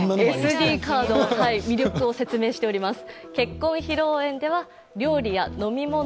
ＳＤカードの魅力をお伝えしております。